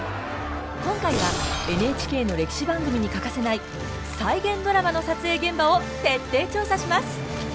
今回はＮＨＫの歴史番組に欠かせない再現ドラマの撮影現場を徹底調査します！